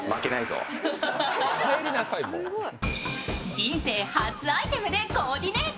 人生初アイテムでコーディネート。